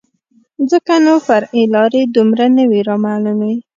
ځکه نو فرعي لارې دومره نه وې رامعلومې.